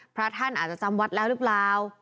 พระท่านอาจจะจำวัดแล้วหรือเปล่า